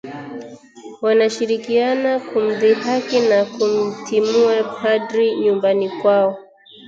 Wanashirikiana kumdhihaki na kumtimua Padri nyumbani kwao